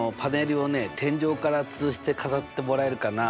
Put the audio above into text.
天井からつるして飾ってもらえるかな。